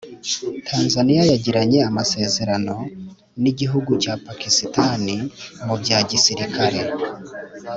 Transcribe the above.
Tanzaniya yigiranye amasezerano n’igihugu cya Pakistani mu bya Gisirikare